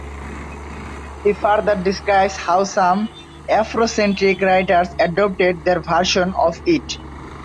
He further describes how some Afrocentric writers adopted 'their version' of it.